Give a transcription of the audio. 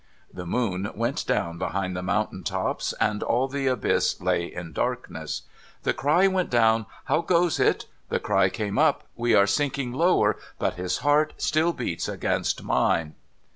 The moon went down behind the mountain tops, and all the abyss lay in darkness. The cry went down :' How goes it ?' The cry came up :' We are sinking lower, but his heart still beats against mine.'